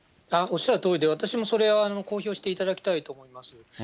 おっしゃるとおりで、私もそれは公表していただきたいと思います。